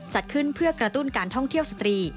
จัดขึ้นเพื่อกระตุ้นการท่องเที่ยวสตรี